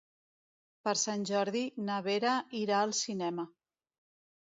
Per Sant Jordi na Vera irà al cinema.